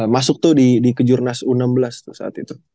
masuk tuh di kejurnas u enam belas tuh saat itu